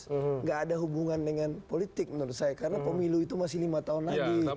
tidak ada hubungan dengan politik menurut saya karena pemilu itu masih lima tahun lagi